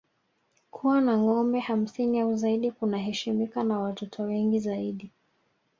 Kuwa na ngombe hamsini au zaidi kunaheshimika na watoto wengi zaidi